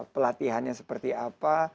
pelatihannya seperti apa